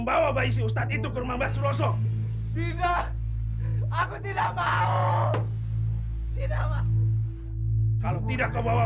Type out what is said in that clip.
membawa bayi si ustadz itu ke rumah mbak suroso tidak aku tidak mau tidak kamu kalau tidak kau bawa